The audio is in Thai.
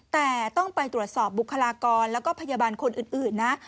แต่ต้องไปตรวจสอบบุคลากรแล้วก็พยาบาลคนอื่นนะ